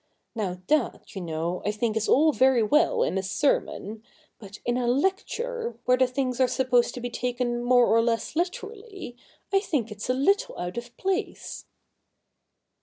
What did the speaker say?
Now that, you know, I think is all very well in a sermon^ but in a lecture, where the things are supposed to be taken more or less literally, I think it is a little out of place.'